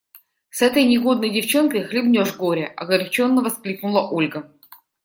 С этой негодной девчонкой хлебнешь горя! – огорченно воскликнула Ольга.